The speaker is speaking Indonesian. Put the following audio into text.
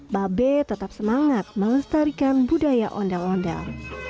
babe tetap semangat melestarikan budaya ondel ondel